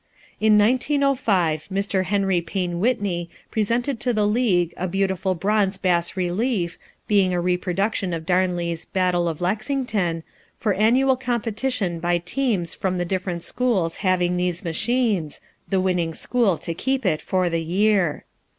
In 1905 Mr. Henry Payne Whitney presented to the league a beautiful bronze bas relief, being a reproduction of Darnley's "Battle of Lexington," for annual competition by teams from the different schools having these machines, the winning school to keep it for the year.